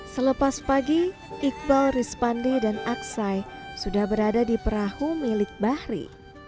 selepas pagi iqbal rispande dan aksai sudah berada di perahu milik bahri